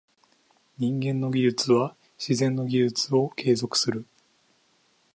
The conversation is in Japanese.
人間の技術は自然の技術を継続する。